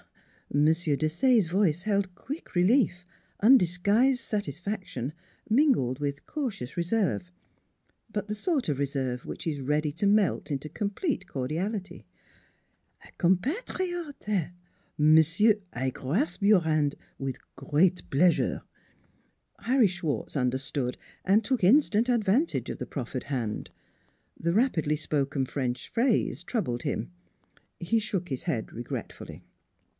M. Desaye's voice held quick relief, undisguised satisfaction, mingled with cautious reserve but the sort of reserve which is ready to melt into complete cordiality. 1 40 NEIGHBORS "A compatriote eh? ... Monsieur, I grasp your hand with great pleasure !" Harry Schwartz understood and took instant advantage of the proffered hand; the rapidly spoken French phrase troubled him. He shook his head regretfully.